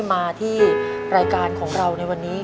มาที่รายการของเราในวันนี้